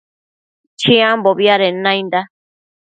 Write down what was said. Chiambobi adenda nainda